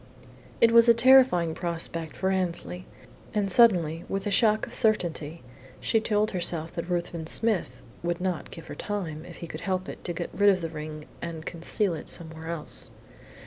It was a terrifying prospect for Annesley, and suddenly, with a shock of certainty, she told herself that Ruthven Smith would not give her time, if he could help it, to get rid of the ring and conceal it somewhere else.